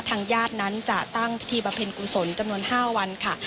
ทางญาตินั้นจะตั้งพิธีบำเพ็ญกุศลจำนวน๕วันค่ะ